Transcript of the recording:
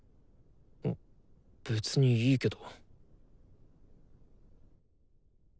別にいいけど。